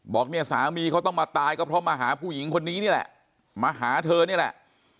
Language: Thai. บอกเนี่ยสามีเขาต้องมาตายก็เพราะมาหาผู้หญิงคนนี้นี่แหละมาหาเธอนี่แหละ